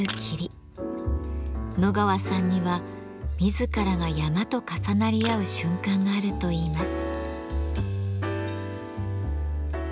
野川さんには自らが山と重なり合う瞬間があるといいます。